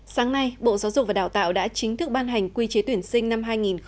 sáng nay bộ giáo dục và đào tạo đã chính thức ban hành quy chế tuyển sinh năm hai nghìn hai mươi